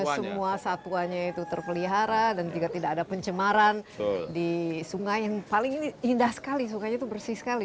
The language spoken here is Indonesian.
semua satwanya itu terpelihara dan juga tidak ada pencemaran di sungai yang paling ini indah sekali sungainya itu bersih sekali